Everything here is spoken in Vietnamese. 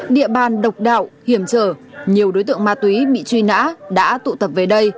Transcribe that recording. địa bàn độc đạo hiểm trở nhiều đối tượng ma túy bị truy nã đã tụ tập về đây